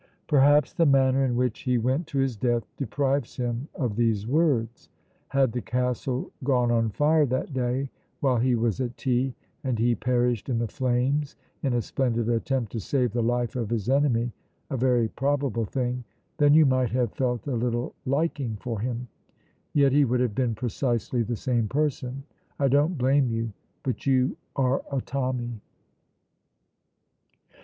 Perhaps the manner in which he went to his death deprives him of these words. Had the castle gone on fire that day while he was at tea, and he perished in the flames in a splendid attempt to save the life of his enemy (a very probable thing), then you might have felt a little liking for him. Yet he would have been precisely the same person. I don't blame you, but you are a Tommy.